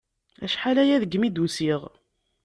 Acḥal-aya degmi d-usiɣ.